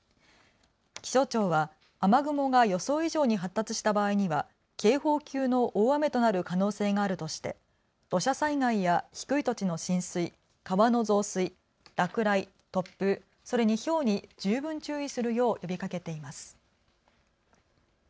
気象庁は雨雲が予想以上に発達した場合には警報級の大雨となる可能性があるとして土砂災害や低い土地の浸水、川の増水、落雷、突風それに、ひょうに十分注意するよう呼びかけています。